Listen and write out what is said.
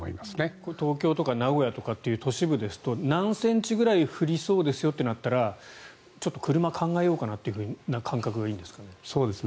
これは東京とか名古屋とかという都市部ですと何センチぐらい降りそうですよってなったらちょっと車を考えようかなって感覚になったらいいんですかね。